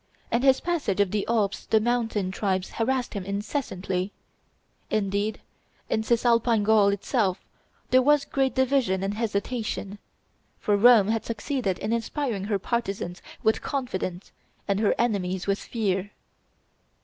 In his passage of the Alps the mountain tribes harassed him incessantly. Indeed, in Cisalpine Gaul itself there was great division and hesitation; for Rome had succeeded in inspiring her partisans with confidence and her enemies with fear.